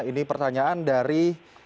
ini pertanyaan dari